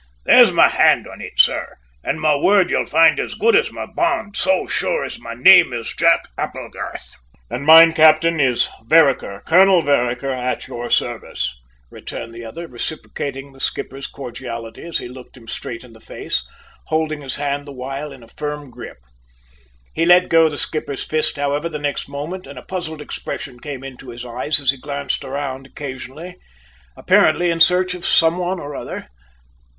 There's my hand on it, sir, and my word you'll find as good as my bond, so sure as my name is Jack Applegarth!" "And mine, captain, is Vereker, Colonel Vereker, at your service," returned the other, reciprocating the skipper's cordiality as he looked him straight in the face, holding his hand the while in a firm grip. He let go the skipper's fist, however, the next moment and a puzzled expression came into his eyes as he glanced round occasionally, apparently in search of some one or other.